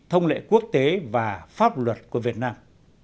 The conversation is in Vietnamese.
thông lệ quốc tế và pháp luật của việt nam